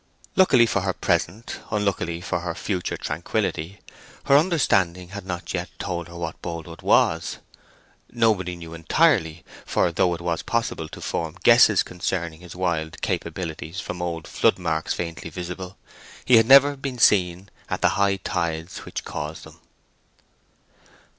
Luckily for her present, unluckily for her future tranquillity, her understanding had not yet told her what Boldwood was. Nobody knew entirely; for though it was possible to form guesses concerning his wild capabilities from old floodmarks faintly visible, he had never been seen at the high tides which caused them.